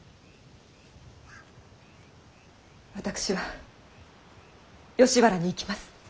私は吉原に行きます。